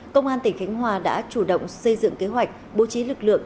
công an tỉnh khánh hòa đã chủ động xây dựng kế hoạch bố trí lực lượng